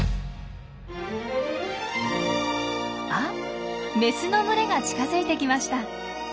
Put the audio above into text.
あっメスの群れが近づいてきました。